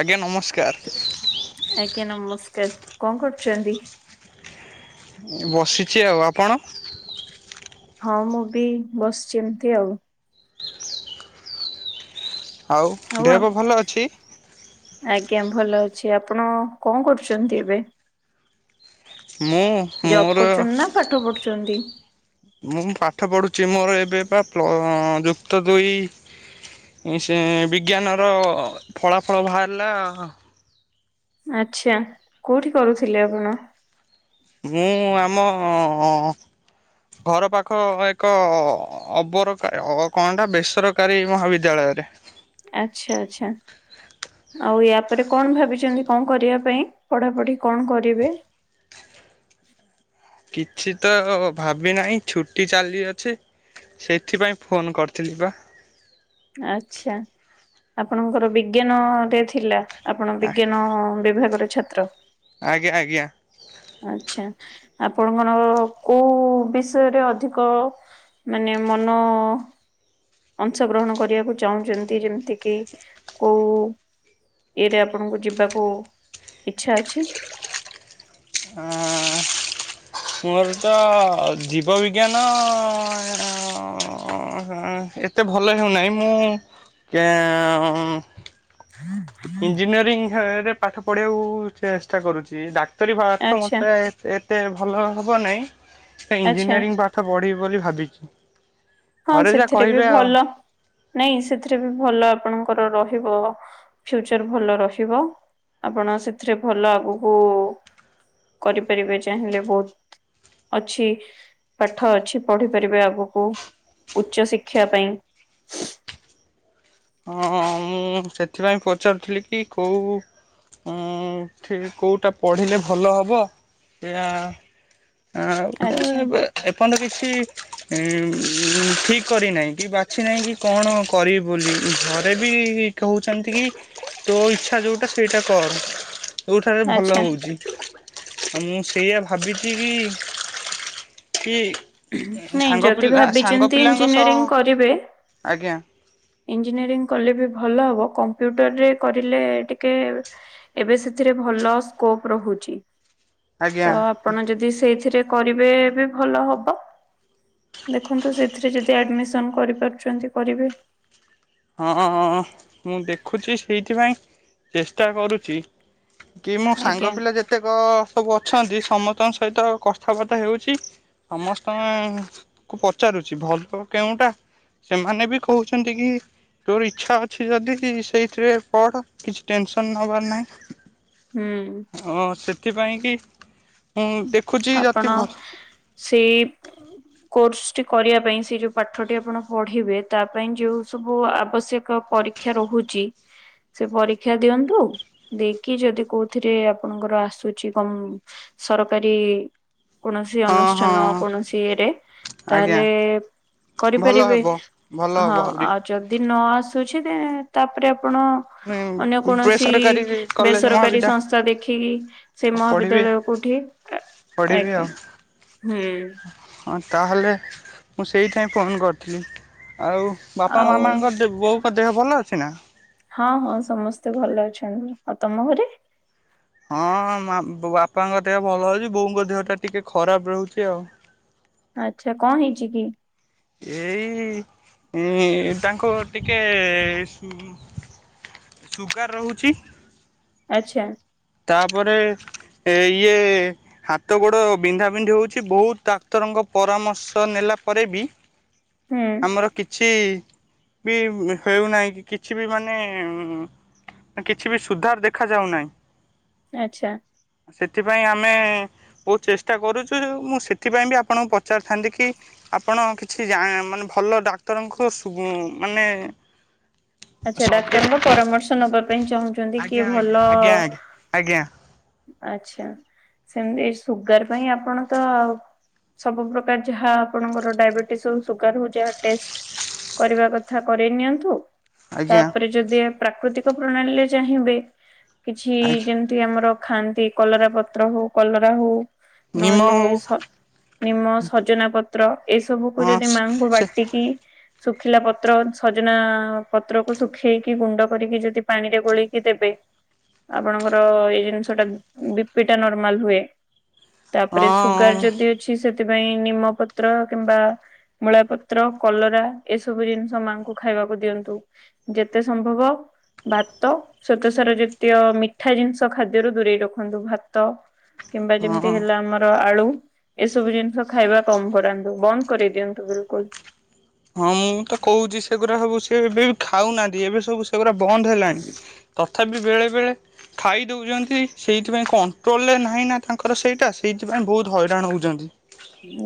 ଆଜ୍ଞା ନମସ୍କାର। ଆଜ୍ଞା ନମସ୍କାର କଣ କରୁଚନ୍ତି? ବସିଚି ଆଉ ଆପଣ? ହଁ ମୁଁ ବି ବସିଚି ଏମତି ଆଉ। ଆଉ ଦେହ ପାହ ଭଲ ଅଛି? ଆଜ୍ଞା ଭଲ ଅଛି ଆପଣ କଣ କରୁଚନ୍ତି ଏବେ? ମୁଁ? ଜବ୍ ମୋର କରୁଚନ୍ତି ନା ପାଠ ପଢୁଚନ୍ତି? ମୁଁଁ ପାଠ ପଢ଼ୁଚି ମୋର ଏବେ ବା ପ୍ଳ ଯୁକ୍ତ ଦୁଇ। ସେ ବିଜ୍ଞାନର ଫଳାଫଳ ବାହାରିଲା। ଆଚଛା କୋଉଠି କରୁଥିଲେ ଆପଣ? ମୁଁ ଆମ ଘର ପାଖ ଏକ ଅବର କା କଣଟା ବେସରକାରୀ ମହାବିଦ୍ୟାଳୟରେ। ଆଚଛା ଆଚଛା। ଆଉ ୟା ପରେ କଣ ଭାବିଚନ୍ତି କଣ କରିବା ପାଇଁ ପଢାପଢି କଣ କରିବେ? କିଛି ତ ଭାବି ନାହିଁ ଛୁଟି ଚାଲି ଅଛି। ସେଥିପାଇଁ ଫୋନ୍ କରିଥିଲି ବା। ଆଛା ଆପଣଙ୍କର ବିଜ୍ଞାନ ରେ ଥିଲା? ଆପଣ ବିଜ୍ଞାନ ବିଭାଗରେ ଛାତ୍ର? ଆଜ୍ଞା ଆଜ୍ଞା। ଆଛା ଆପଣଙ୍କର କୋଉ ବିଷୟରେ ଅଧିକ ମାନେ ମନ ଅଂଶଗ୍ରହଣ କରିବାକୁ ଚାହୁଁଚନ୍ତି ଯେମିତି କିି କୋଉ ଇଏରେ ଆପଣଙ୍କୁ ଯିବାକୁ ଇଚ୍ଛା ଅଛି? ହ। ମୋର ତ ଜୀବ ବିିଜ୍ଞାନ ଅ ଏତେ ଭଲ ହେଉନାହିଁ ମୁଁ କେ ହୁଁ ଇଞ୍ଜିନିୟରିଂ ହେ ରେ ପାଠ ପଢ଼ିବାକୁ ଚେଷ୍ଟା କରୁଚି। ଡାକ୍ତରୀ ପାଠ ଆଚ୍ଛା ମୋତେ ସେ ଏତେ ଭଲ ହବ ନାହିଁ। ସେ ଆଚ୍ଛା ଇଞ୍ଜିନିୟରିଂ ପାଠ ପଢ଼ିବି ବୋଲି ଭାବିଚି। ହଁ ସେଥିରେ ବି ଭଲ ନାଇଁ ସେଥିରେ ବି ଭଲ ଆପଣଙ୍କର ରହିବ ଫ୍ୟୁଚର ଭଲ ରହିବ ଆପଣ ସେଥିରେ ଭଲ ଆଗକୁ କରିପାରିବେ ଚାହିଁଲେ ବହୁତ। ଅଛି ପାଠ ଅଛି ପଢି ପାରିବେ ଆଗକୁ। ଉଚ୍ଚଶିକ୍ଷା ପାଇଁ। ହଁ ମୁଁ ସେଥିପାଇଁ ପଚାରୁଥିଲି କି କୋଉ ଉଁ ଠିକ କଉଁଟା ପଢ଼ିଲେ ଭଲ ହେବ ସେଆ ଆଉ ଆଚ୍ଛା ଏନ୍ ଏପର୍ଯ୍ୟନ୍ତ କିଛି ଏ ଠିକ କରିନାହିଁ କି ବାଛି ନାହିଁ କି କଣ କରିବି ବୋଲି ଘରେ ବି କହୁଚନ୍ତି କି ତୋ ଇଚ୍ଛା ଯୋଉଟା ସେଇଟା କର। ଯଉଁଠାରେ ଭଲ ଆଚ୍ଛା ହଉଚି ଆଉ ମୁଁ ସେଇଆ ଭାବି କିଭିି କି ନାଇଁ ସାଙ୍ଗ ଯଦି ପିଲା ସାଙ୍ଗ ଭାବିଛନ୍ତି ପିଲାଙ୍କ ସହ ଇଞ୍ଜିନିୟରିଂ କରିବେ ଆଜ୍ଞା। ଇଞ୍ଜିନିୟରିଂ କଲେ ବି ଭଲ ହବ। କମ୍ପ୍ୟୁଟରରେ କରିଲେ ଟିକେ ଏବେ ସେଥିରେ ଭଲ ସ୍କୋପ ରହୁଚି ଆଜ୍ଞା ତଆପଣ ଯଦି ସେଇଥିରେ କରିବେବି ଭଲ ହବ। ଦେଖନ୍ତୁ ସେଥିରେ ଯଦି ଆଡ଼ିମିସନ୍ କରିପାରୁଛନ୍ତି କରିବେ। ହଁ ଅଁ ମୁଁ ଦେଖୁଚି ସେଇଥିପାଇଁ ଚେଷ୍ଟା କରୁଚି କି ମୋ ଆଜ୍ଞା ସାଙ୍ଗ ପିଲା ଯେତେକ ସବୁ ଅଛନ୍ତି ସମସ୍ତଙ୍କ ସହିତ କଥାବାର୍ତ୍ତା ହେଉଚି ସମସ୍ତଙ୍କୁୁ ପଚାରୁଚି ଭଲ କେଉଁଟା ସେମାନେବି କହୁଛନ୍ତିକି ତୋର ଇଚ୍ଛା ଅଛି ଯଦି ସେଇଥିରେ ପଢ କିଛି ଟେନସନ୍ ନବାର ନାହିଁ। ହୁଁ। ହଁ ସେଥିପାଇଁ କି ମୁଁ ଦେ ଆପଣ ସେଇ କୋର୍ସଟି କରିବା ପାଇଁ ସେଯୋଉ ପାଠଟି ଆପଣ ପଢିବେ ତାପାଇଁ ଯୋଉ ସବୁ ଆବଶ୍ୟକ ପରି କ୍ଷା ରହୁଚି ସେପରୀକ୍ଷା ଦିଅନ୍ତୁ। ଦେଇକି ଯଦି କୋଉଥିରେ ଆପଣଙ୍କର ଆସୁଛି କମ୍ ସରକାରୀ କୌଣସି ହଁ ଅନୁଷ୍ଠାନ ହଁ କୌଣସି ଇଏରେ ଆଜ୍ଞା ତାହେଲେ ଭଲ କରିପାରିବେ ହେବ ଭଲ ହଁ ହବ ଆହୁରି। ଆଉ ଯଦି ନଆସୁଛି ଦେ ତାପରେ ଆପଣ ଅନ୍ୟ କୌଣସି ବେସରକାରୀ କଲେଜ ବେସରକାରୀ ମହାବିଦ୍ୟା ସଂସ୍ଥା ଦେଖିକି ସେ ପଢ଼ିବି ମହାବିଦ୍ୟାଳୟ କୋଉଠି? ପଢ଼ିବି ଆଜ୍ଞା ଆଉ। ହୁଁ ହଁ ତାହେଲେ ମୁଁ ସେଇଥିପାଇଁ ଫୋନ୍ କରିଥିଲି। ଆଉ ବାପା ଆଉ ମାମାଙ୍କ ଦେ ବୋଉଙ୍କ ଦେହ ଭଲ ଅଛିନା? ହଁ ହଁ ସମସ୍ତେ ଭଲ ଅଛନ୍ତି ଆଉ ତମ ଘରେ? ହଁ ବାପାଙ୍କ ବୋ ଦେହ ଭଲ ଅଛି ବୋଉଙ୍କ ଦେହଟା ଟିକେ ଖରାପ୍ ରହୁଚି ଆଉ। ଆଚ୍ଛା କଁ ହେଇଚକି? ଏଇ ଇ ତାଙ୍କ ଟିକେ ସୁୁଗାର ରହୁଛି ଆଚ୍ଛା। ତାପରେ ଇଏ ହାତ ଗୋଡ଼ ବିନ୍ଧାବିନ୍ଧି ହେଉଛି ବହୁତ୍ ଡାକ୍ତରଙ୍କ ପରାମର୍ଶ ନେଲା ପରେବି ହୁଁ। ଆମର କିଛିବି ହେଉନାହିଁ କି କିଛିବି ମାନେ କିଛିବି ସୁଧାର ଦେଖା ଯାଉ ନାହିଁ। ଆଚ୍ଛା। ସେଥିପାଇଁ ଆମେ ବହୁତ୍ ଚେଷ୍ଟା କରୁଚୁ ମୁଁ ସେଥିପାଇଁବି ଆପଣଙ୍କୁ ପଚାରିଥାନ୍ତି କି ଆପଣ କିଛି ଜା ମାନେ ଭଲ ଡାକ୍ତରଙ୍କୁ ସୁ ମାନେ ଆଚ୍ଛା ସର୍ଭେ ଡାକ୍ତରଙ୍କ ପରାମର୍ଶ ନବା ପାଇଁ ଚାହୁଁଛନ୍ତି କିଏ ଆଜ୍ଞା ଆଜ୍ଞା ଭଲ ଆଜ୍ଞା ଆଜ୍ଞା। ଆଚ୍ଛା ସେମିତି ସୁଗାର ପାଇଁ ଆପଣ ତ ସବୁ ପ୍ରକାର ଯାହା ଆପଣଙ୍କର ଡାଇବେଟିସ ହଉ ସୁଗାର ହଉ ଟେଷ୍ଟ କରିବା କଥା କରେଇ ନିଅନ୍ତୁ ଆଜ୍ଞା ଆଜ୍ଞା ତାପରେ ଯଦି ପ୍ରାକୃତିକ ପ୍ରଣାଳୀରେ ଚାହିଁବେ କିଛି ଆଜ୍ଞା ଯେମିତି ଆମର ଖାଆନ୍ତି କଲରା ପତ୍ର ହଉ କଲରା ହଉ ନିମ ନହେଲେ ହଉ ସ ନିମ ସଜନା ପତ୍ର ଏସବୁକୁ ହଁ ଯଦି ମାଙ୍କୁ ସେ ବାଟିକି ଶୁଖିଲା ପତ୍ର ସଜନା ପତ୍ରକୁ ଶୁଖେଇକି ଗୁଣ୍ଡ କରିକି ଯଦି ପାଣିରେ ଗୋଳିକି ଦେବେ ଆପଣଙ୍କର ଏଇ ଜିନି ସେଟା ବିପିଟା ନର୍ମାଲ ହୁଏ ହଁ ତାପରେ ସୁଗାର ଯଦି ଅଛି ସେଥିପାଇଁ ନିମପତ୍ର କିମ୍ବା ମୂଳା ପତ୍ର କଲରା ଏସବୁ ଜିନିଷ ମାଆଙ୍କୁ ଖାଇବାକୁ ଦିଅନ୍ତୁ। ଯେତେ ସମ୍ଭବ ଭାତ ଶ୍ୱେତ ସାର ଯେତୀୟ ମିଠା ଜିନିଷ ଖା ରୁ ଦୂରେଇ ରଖନ୍ତୁ ଭାତ କିମ୍ବା ଯେମିତି ହଁ ହେଲା ଆମର ଆଳୁ ଏସବୁ ଜିନିଷ ଖାଇବା କମ କରାନ୍ତୁ ବନ୍ଦ କରିଦିଅନ୍ତୁ ବିଲକୁଲ। ହଁ ମୁଁ ତ କହୁଛି ସେଗୁଡା ସବୁ ସେ ଏବେ ବି ଖାଉନାହାନ୍ତି ଏବେ ସବୁ ସେଗୁଡା ବନ୍ଦ ହେଲାଣି। ତଥାପି ବେଳେବେଳେ ଖାଇ ଦେଉଛନ୍ତି ସେଇଥିପାଇଁ କଣ୍ଟ୍ରୋଲରେ ନାହିଁ ନା ତାଙ୍କର ସେଇଟା ସେଇଥିପାଇଁ ବହୁତ ହଇରାଣ ହେଉଛନ୍ତି।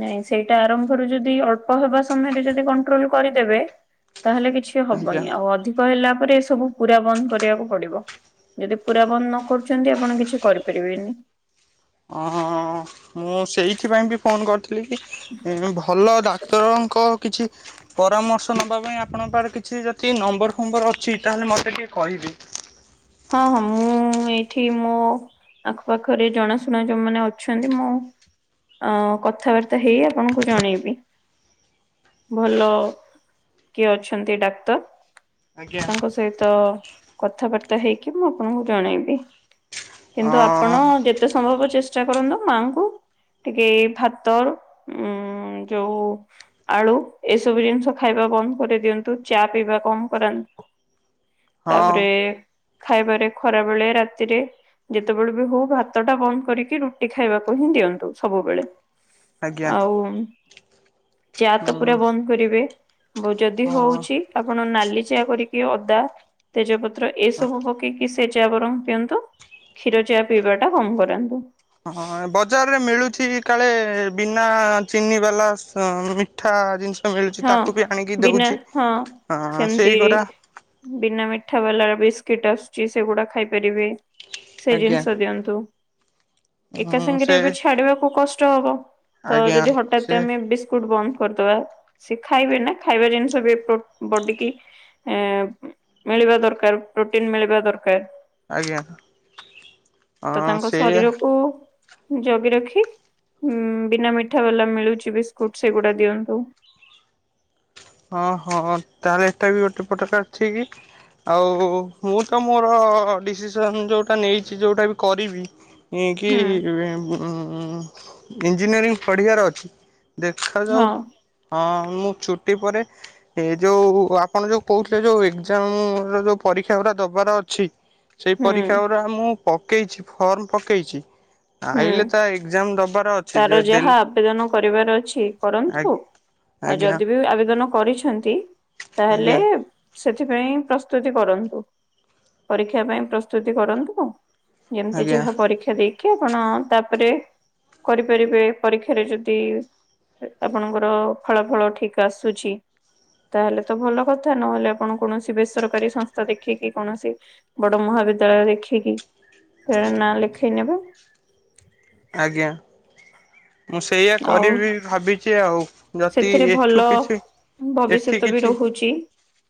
ନାଇଁ ସେଇଟା ଆରମ୍ଭରୁ ଯଦି ଅଳ୍ପ ହେବା ସମୟରେ ଯଦି କଣ୍ଟ୍ରୋଲ କରିଦେବେ ତାହେଲେ କିଛି ଆଜ୍ଞା ହବନି ଆଉ ଅଧିକ ହେଲା ପରେ ଏ ସବୁ ପୁରା ବନ୍ଦ କରିବାକୁ ପଡିବ। ଯଦି ପୁରା ବନ୍ଦ ନ କରୁଛନ୍ତି ଆପଣ କିଛି କରିପାରିବେନି। ଆଁ ମୁଁ ସେଇଥିପାଇଁ ବି ଫୋନ କରିଥିଲି କି ଉଁ ଭଲ ଡାକ୍ତରଙ୍କ କିଛି ପରାମର୍ଶ ନେବା ପାଇଁ ଆପଣଙ୍କ ପାଖରେ କିଛି ଯଦି ନମ୍ବର ଫମ୍ବର ଅଛି ତାହେଲେ ମୋତେ ଟିକେ କହିବେ? ହଁ ହଁ ମୁଁ ଏଇଠି ମୋ ଆଖ ପାାଖରେ ଜଣାଶୁଣା ଯୋଉମାନେ ଅଛନ୍ତି ମୁଁ ଅ କଥାବାର୍ତ୍ତା ହେଇ ଆପଣଙ୍କୁ ଜଣେଇବି। ଭଲ କିଏ ଅଛନ୍ତି ଡାକ୍ତର ଆଜ୍ଞା ତାଙ୍କ ସହିତ କଥାବାର୍ତ୍ତା ହେଇକି ମୁଁ ଆପଣଙ୍କୁ ଜଣେଇବି। କିନ୍ତୁ ହଁ ଆପଣ ଯେତେ ସମ୍ଭବ ଚେଷ୍ଟା କରନ୍ତୁ ମାଙ୍କୁ ଟିକେ ଭାତ ଉଁ ଯୋଉ ଆଳୁ ଏସବୁ ଜିନିଷ ଖାଇବା ବନ୍ଦ କରିଦିଅନ୍ତୁ ଚା ପିଇବା କମ୍ କରାନ୍ତୁ। ହଁ ତାପରେ ଖାଇବାରେ ଖରା ବେଳେ ରାତିରେ ଯେତେବେଳେ ବି ହଉ ଭାତ ଟା ବନ୍ଦ କରିକି ରୁଟି ଖାଇବାକୁ ହିଁ ଦିଅନ୍ତୁ ସବୁବେଳେ। ଆଜ୍ଞା ଆଉ ଚା ତ ପୁରା ହୁଁ ବନ୍ଦ କରିବେ? ଯଦି ହଁ। ହଉଛି ଆପଣ ନାଲି ଚା କରିକି ଅଦା ତେଜପତ୍ର ଏ ସବୁ ପକେଇକି ସେ ଚା ବରଂ ପିଅନ୍ତୁ କ୍ଷୀର ଚା ପିଇବା ଟା କମ କରାନ୍ତୁ। ହଁ ବଜାରରେ ମିଳୁଛି କାଳେ ବିନା ଚିନି ବାଲା ମିଠା ଜିନିଷ ମିଳୁଛି ହଁ ତାକୁ ବି ଆଣିକି ଦଉଛି ହଁ ସେମିତି ସେଇ ଗରା ବିନା ମିଠା ବାଲା ବିସ୍କିଟ ଆସୁଛି ସେଗୁଡା ଖାଇପାରିବେ। ସେ ଆଜ୍ଞା। ଜିନିଷ ଦିଅନ୍ତୁ ଏକା ହଁ ସେ ସାଙ୍ଗରେ ଏବେ ଛାଡିବାକୁ କଷ୍ଟ ହବ। ତ ଆଜ୍ଞା ଯଦି ହଠାତ୍ ସେ ଆମେ ବିସ୍କୁଟ ବନ୍ଦ କରିଦବା ସିଏ ଶିଖାଇବେ ନା ଖାଇବା ଜିନିଷ ବି ପ୍ରୋ ବଡି କି ଏ ମିଳିବା ଦରକାର ପ୍ରୋଟିନ୍ ମିଳିବା ଦରକାର। ଆଜ୍ଞା ତ ହଁ ତାଙ୍କ ସେଇଆ ଶରୀରକୁ ଜଗି ରଖି ବିନା ମିଠା ବାଲା ମିଳୁଛି ବିସ୍କୁଟ ସେଗୁଡା ଦିଅନ୍ତୁ। ହଁ ହଁ ତାହେଲେ ଏଟା ବି ଗୋଟେ ପଟକା ଠିକ୍। ଆଉ ମୁଁ ତ ମୋର ଡିସିସନ୍ ଯେଉଁଟା ନେଇଛି ଯେଉଟା ବି କରିବି ଇଁକି ହୁଁ ଇଞ୍ଜିନିୟରିଂ ପଢିବାର ଅଛି। ଦେଖାଯାଉ ହଁ ହଁ ମୁଁ ଛୁଟି ପରେ ଏ ଯୋଉ ଆପଣ ଯୋଉ କହୁଥିଲେ ଯୋଉ ଏକ୍ଜାମ ର ଯୋଉ ପରୀକ୍ଷା ଗୁଡା ଦବାର ଅଛି। ସେଇ ହୁଁ ପରୀକ୍ଷା ଗୁଡ଼ା ମୁଁ ପକେଇଛି ଫର୍ମ ପକେଇଛି। ହୁଁ ଆଇଲେ ତା ଏକ୍ଜାମ ଦବାର ଅଛି ଯେ ତାର ଯାହା ଦେଲି ଆବେଦନ କରିବାର ଅଛି କରନ୍ତୁ। ଆଜ୍ଞା ଆଉ ଆଜ୍ଞା ଯଦି ବି ଆବେଦନ କରିଛନ୍ତି ତାହେଲେ। ଆଜ୍ଞା ସେଥିପାଇଁ ପ୍ରସ୍ତୁତି କରନ୍ତୁ। ପରୀକ୍ଷା ପାଇଁ ପ୍ରସ୍ତୁତି କରନ୍ତୁ। ଯେମିତି ଆଜ୍ଞା ଯାହା ପରୀକ୍ଷା ଦେଇକି ଆପଣ ତାପରେ। କରିପାରିବେ ପରୀକ୍ଷାରେ ଯଦି। ଆପଣଙ୍କ ର ଫଳା ଫଳ ଠିକ ଆସୁଛି। ତାହେଲେ ତ ଭଲ କଥା। ନହେଲେ ଆପଣ କୌଣସି ବେସରକାରୀ ସଂସ୍ଥା ଦେଖିକି କୌଣସି। ବଡ ମହାବିଦ୍ୟାଳୟ ଦେଖିକି ସେଠାରେ ନାଁ ଲେଖେଇ ନେବେ। ଆଜ୍ଞା। ମୁଁ ସେଇଆ ଆଉ କରିବି ଭାବିଛି ଆଉ। ଯଦି ସେଥିରେ ଏଠୁ ଭଲ କିଛି ଏଠି ଭବିଷ୍ୟତ ବି କିଛି ରହୁଛି।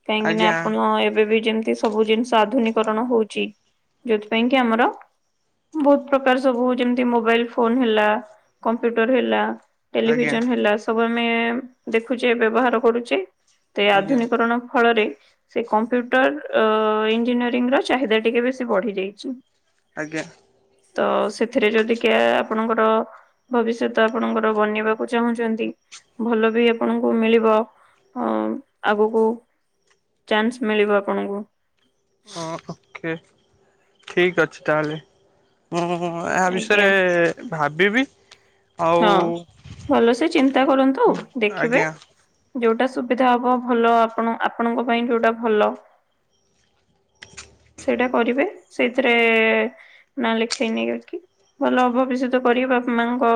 କାହିଁକିନା ଆଜ୍ଞା ଆପଣ ଏବେ ବି ଯେମିତି। ସବୁ ଜିନିଷ ଆଧୁନିକରଣ ହଉଛି ଯୋଉଥି ପାଇଁ କି ଆମର। ବହୁତ ପ୍ରକାର ସବୁ ଯେମିତି ମୋବାଇଲ ଫୋନ ହେଲା କମ୍ପ୍ୟୁଟର ହେଲା। ଆଜ୍ଞା ଟେଲିଭିଜନ ହେଲା ସବୁ ଆମେ ଦେଖୁଛେ ବ୍ୟବହାର କରୁଛେ। ତ ଆଜ୍ଞା ଆଧୁନିକରଣ ଫଳରେ। ସେ କମ୍ପ୍ୟୁଟର ଅ ଇଞ୍ଜିନିୟରିଂ ର ଚାହିଦା ଟିକେ ବେଶି ବଢି ଯାଇଛି। ଆଜ୍ଞା। ତ ସେଥିରେ ଯଦିି କେ ଆପଣଙ୍କର। ଭବିଷ୍ୟତ ଆପଣଙ୍କର ବନେଇବାକୁ ଚାହୁଁଛନ୍ତି। ଭଲ ବି ଆପଣଙ୍କୁ ମିଳିବ ଅ ଆଗକୁ। ଚାନ୍ସ ମିଳିବ ଆପଣଙ୍କୁ। ଅଁ ଓକେ ଠିକ୍ ଅଛି ତାହେଲେ। ମୁଁ ଆ ଆଜ୍ଞା ବିଷୟରେ ଭାବିବି। ଆଉ ହଁ ଭଲ ସେ ଚିନ୍ତା କରନ୍ତୁ ଦେଖିବେ। ଆଜ୍ଞା ଯୋଉଟା ସୁବିଧା ହବ ଭଲ ଆପଣ ଆପଣଙ୍କ ପାଇଁ ଯୋଉଟା ଭଲ। ସେଇଟା କରିବେ ସେଇଥିରେ। ନା ଲେଖେଇ ନେଇ ଯାଇ କି ଭଲ ଅଭଷ୍ୟତ କରିକି ବାପା ମାଙ୍କ।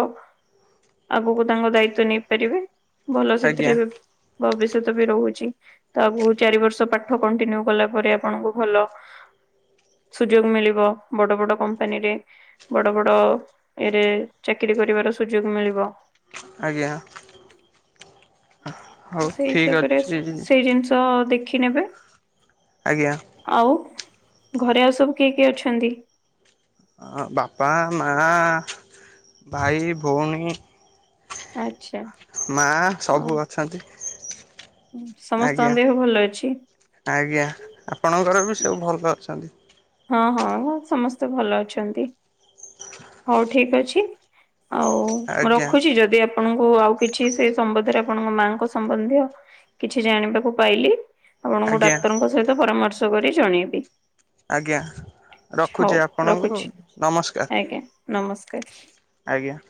ଆଗକୁ ତାଙ୍କ ଦାଇ‌ତ୍ବ ନେଇପାରିବେ ଭଲ ଆଜ୍ଞା ସେଥିରେ ବି ଭବିଷ୍ୟତ ବି ରହୁଛି। ତ ଆଗକୁ ଚାରି ବର୍ଷ ପାଠ କଣ୍ଟିନ୍ୟୁ କଲା ପରେ ଆପଣଙ୍କୁ ଭଲ। ସୁଯୋଗ ମିଳିବ ବଡ ବଡ କମ୍ପାନୀରେ। ବଡ ବଡ ଇଏରେ ଚାକିରି କରିବାର ସୁଯୋଗ ମିଳିବ। ଆଜ୍ଞା। ହଉ ସେଇ ଠିକ୍ ହିସାବରେ ଅଛି ସେଇ ଜିନିଷ ଦେଖିନେବେ। ଆଜ୍ଞା। ଆଉ ଘରେ ଆଉ ସବୁ କିଏ କିଏ ଅଛନ୍ତି। ଆଁ ବାପା ମା ଭାଇ ଭଉଣୀ। ଆଛା। ମା ସବୁ ଅଛନ୍ତି। ଉଁ ସମସ୍ତଙ୍କ ଆଜ୍ଞା ଦେହ ଭଲ ଅଛି। ଆଜ୍ଞା ଆପଣଙ୍କର ବି ସବୁ ଭଲ ଅଛନ୍ତି। ହଁ ହଁ ସମସ୍ତେ ଭଲ ଅଛନ୍ତି। ହଉ ଠିକ ଅଛି ଆଉ ମୁ ଆଜ୍ଞା ରଖୁଛି ଯଦି ଆପ ଆପଣଙ୍କୁ ଆଉ କିଛି ସେ ସମ୍ବନ୍ଧରେ ଆପଣଙ୍କ ମାଙ୍କ ସମ୍ବନ୍ଧୀୟ। କିଛି ଜାଣିବାକୁ ପାଇଲି ଆପଣଙ୍କୁ ଆଜ୍ଞା ଡାକ୍ତରଙ୍କ ସହିତ ପରାମର୍ଶ କରି ଜଣେଇବି। ଆଜ୍ଞା। ହଉ ରଖୁଛି ଆପଣଙ୍କୁ ରଖୁଛି ନମସ୍କାର ଆଜ୍ଞା।